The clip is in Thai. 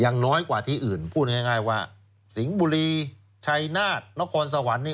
น้อยกว่าที่อื่นพูดง่ายว่าสิงห์บุรีชัยนาฏนครสวรรค์นี่